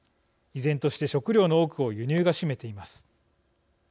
依然として食料の多くを輸入が占めています。